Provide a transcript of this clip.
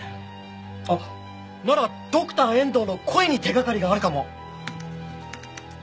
あっならドクター遠藤の声に手掛かりがあるかも！